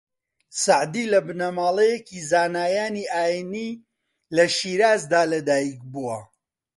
سەعدی لە بنەماڵەیەکی زانایانی ئایینی لە شیرازدا لە دایک بووە